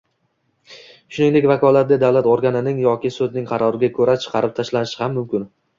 shuningdek vakolatli davlat organining yoki sudning qaroriga ko‘ra chiqarib tashlanishi mumkin.